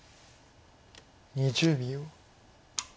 ２０秒。